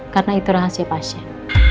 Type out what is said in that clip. karena itu rahasia pasien